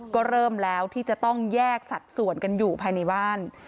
ก็เริ่มแล้วที่จะต้องแยกสัดส่วนกันอยู่ภายในบ้าน